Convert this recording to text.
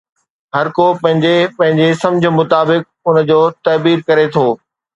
هر ڪو پنهنجي پنهنجي سمجهه مطابق ان جو تعبير ڪري ٿو.